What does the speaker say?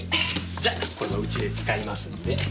じゃこれはうちで使いますんで。